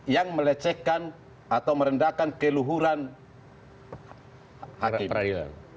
yang melecehkan atau merendahkan keluhuran hakim